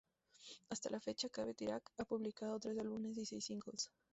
Hasta la fecha, Cheb Tarik ha publicado tres álbumes y seis singles.